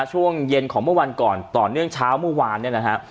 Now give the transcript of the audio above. ช่วงเย็นของเมื่อวันก่อนต่อเนื่องเช้าเมื่อวานเนี่ยนะฮะ